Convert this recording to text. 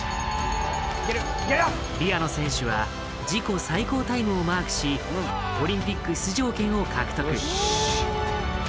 ビアノ選手は自己最高タイムをマークしオリンピック出場権を獲得。